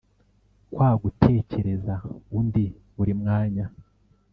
kwa gutekereza undi buri mwanya